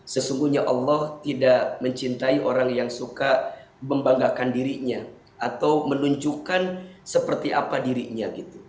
sesungguhnya allah tidak mencintai orang yang suka membanggakan dirinya atau menunjukkan seperti apa dirinya